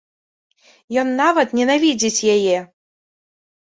Ён нават ненавідзіць яе.